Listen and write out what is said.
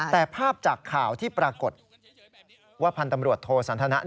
แต่ภาพจากข่าวที่ปรากฏว่าพันธ์ตำรวจโทสันทนะ